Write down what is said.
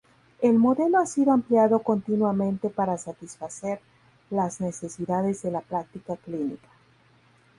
El modelo ha sido ampliado continuamente para satisfacer las necesidades de la práctica clínica.